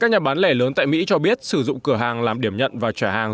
các nhà bán lẻ lớn tại mỹ cho biết sử dụng cửa hàng làm điểm nhận và trả hàng